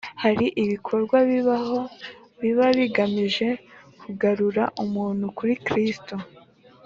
hari ibikorwa bibaho biba bigamije kugarura umuntu kuri Kristo